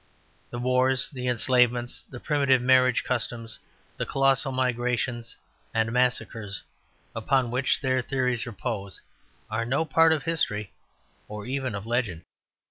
The wars, the enslavements, the primitive marriage customs, the colossal migrations and massacres upon which their theories repose, are no part of history or even of legend.